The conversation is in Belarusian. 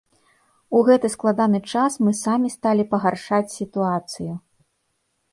У гэты складаны час мы самі сталі пагаршаць сітуацыю.